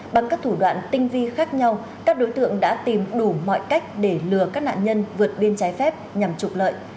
bằng các thủ đoạn tinh vi khác nhau các đối tượng đã tìm đủ mọi cách để lừa các nạn nhân vượt biên trái phép nhằm trục lợi